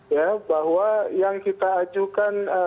ya bahwa yang kita ajukan